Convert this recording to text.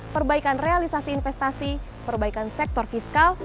perbaikan realisasi investasi perbaikan sektor fiskal